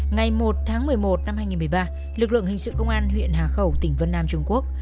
ngày một tháng một mươi một năm hai nghìn một mươi ba lực lượng hình sự công an huyện hà khẩu tỉnh vân nam trung quốc